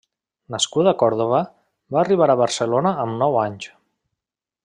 Nascut a Còrdova, va arribar a Barcelona amb nou anys.